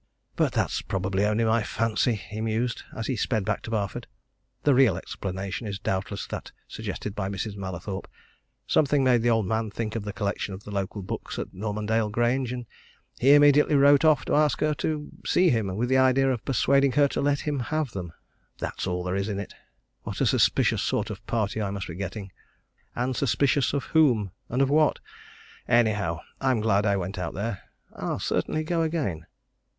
"But that's probably only my fancy," he mused, as he sped back to Barford; "the real explanation is doubtless that suggested by Mrs. Mallathorpe. Something made the old man think of the collection of local books at Normandale Grange and he immediately wrote off to ask her to see him, with the idea of persuading her to let him have them. That's all there is in it what a suspicious sort of party I must be getting! And suspicious of whom and of what? Anyhow, I'm glad I went out there and I'll certainly go again."